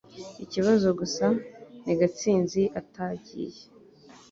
Ikibazo gusa ni Gatsinzi atagiye